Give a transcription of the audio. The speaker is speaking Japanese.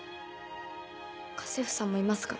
家政婦さんもいますから。